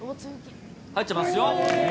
入ってますよ。